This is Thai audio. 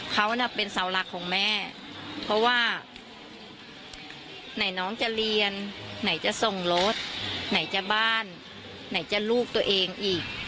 เขาน่ะเป็นเสาหลักของแม่เพราะว่าไหนน้องจะเรียนไหนจะส่งรถไหนจะบ้านไหนจะลูกตัวเองอีก